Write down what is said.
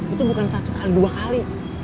itu bukan satu kali dua kali